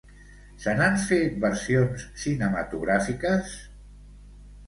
Se n'han fet versions cinematogràfiques?